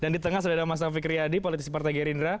dan di tengah sudah ada mas taufik riyadi politisi partai gerindra